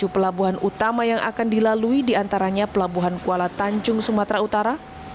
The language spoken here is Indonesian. tujuh pelabuhan utama yang akan dilalui diantaranya pelabuhan kuala tanjung sumatera utara